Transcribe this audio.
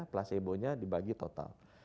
placebo nya dibagi total